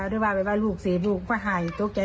หรือว่าหลุกสิหลุกก็หายตกใจ